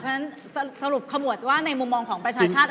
เพราะฉะนั้นสรุปขมวดว่าในมุมมองของประชาชาติ